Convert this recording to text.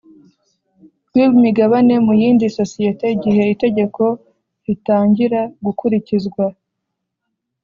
rw imigabane mu yindi sosiyete Igihe itegeko ritangiragukurikizwa